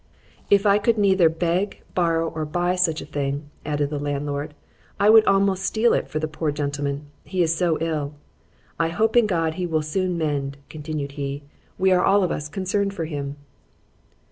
_—— ——If I could neither beg, borrow, or buy such a thing—added the landlord,—I would almost steal it for the poor gentleman, he is so ill.——I hope in God he will still mend, continued he,—we are all of us concerned for him.